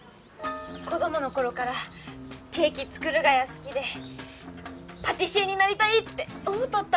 子どもの頃からケーキ作るがや好きでパティシエになりたいって思とったんです。